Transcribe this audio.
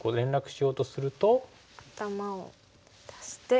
頭を出して。